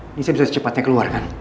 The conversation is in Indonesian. ini saya bisa secepatnya keluarkan